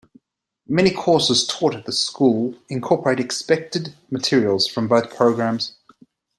Many courses taught at the school incorporate expected materials from both programs.